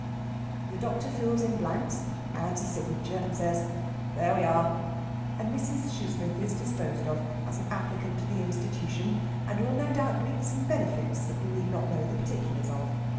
The doctor fills in blanks, adds a signature, says "There we are!" and Mrs. Shoosmith is disposed of as an applicant to the institution, and will no doubt reap some benefits we need not know the particulars of.